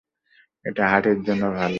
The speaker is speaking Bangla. এটা হার্টের জন্য ভালো।